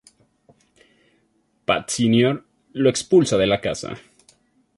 Pat Sr. lo expulsa de la casa.